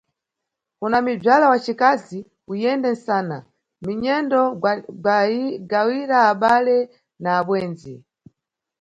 Kuna mibzala wacikazi, uyende nsana, minyendo gawira abale na abwendzi.